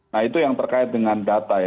nah itu yang terkait dengan data ya